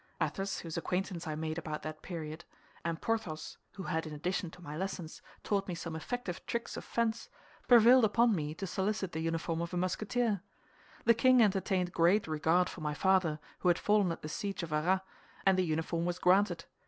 Athos, whose acquaintance I made about that period, and Porthos, who had in addition to my lessons taught me some effective tricks of fence, prevailed upon me to solicit the uniform of a Musketeer. The king entertained great regard for my father, who had fallen at the siege of Arras, and the uniform was granted.